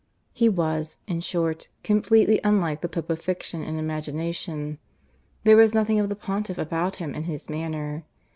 He was, in short, completely unlike the Pope of fiction and imagination; there was nothing of the Pontiff about him in his manner.